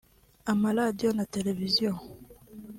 amaradiyo na televiziyo